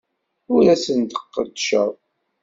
Ur asent-d-qeddceɣ.